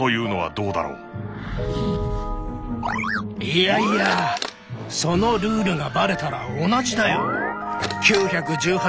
いやいやそのルールがバレたら同じだよ！